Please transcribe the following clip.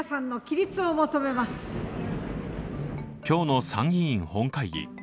今日の参議院本会議。